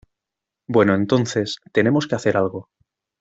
Bueno, entonces , tenemos que hacer algo.